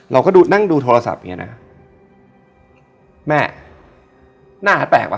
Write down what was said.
เราก็นั่งดูโทรศัพท์เงี่ยนะแม่หน้าแปลกป่ะ